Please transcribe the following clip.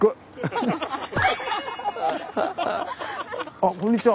あこんにちは。